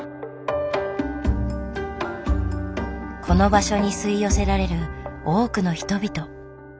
この場所に吸い寄せられる多くの人々。